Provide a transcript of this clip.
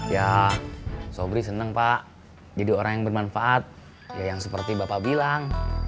ya sobri seneng pak jadi orang yang bermanfaat ya yang seperti bapak bilang